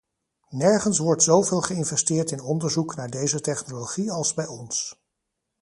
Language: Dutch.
Nergens wordt zoveel geïnvesteerd in onderzoek naar deze technologie als bij ons.